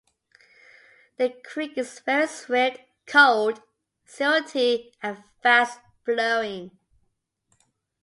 The creek is very swift, cold, silty and fast flowing.